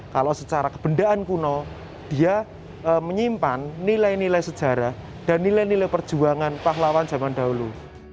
kalau secara kebendaan kuno dia menyimpan nilai nilai sejarah dan nilai nilai perjuangan pahlawan zaman dahulu